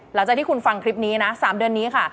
หลังจากที่คุณฟังคลิปนี้นะ๓เดือนนี้ค่ะ